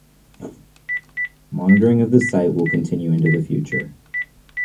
Monitoring of the site will continue into the future.